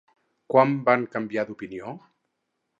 Quan van canviar d'opinió?